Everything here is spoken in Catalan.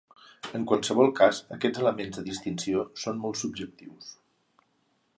En qualsevol cas, aquests elements de distinció són molt subjectius.